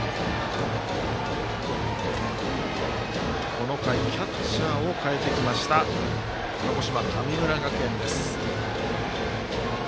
この回キャッチャーを代えてきました鹿児島、神村学園です。